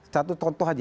satu contoh saja